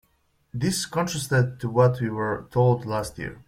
This contrasted to what we were told last year.